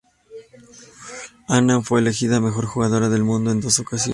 Annan fue elegida mejor jugadora del Mundo en dos ocasiones.